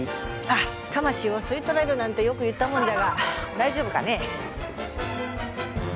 あっ魂を吸い取られるなんてよく言ったもんじゃが大丈夫かね？